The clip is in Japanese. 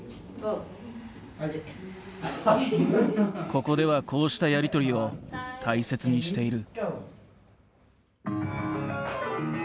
ここではこうしたやり取りを大切にしている。